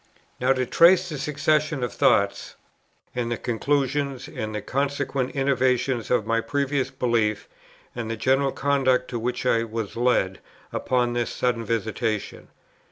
'"Now to trace the succession of thoughts, and the conclusions, and the consequent innovations on my previous belief, and the general conduct, to which I was led, upon this sudden visitation.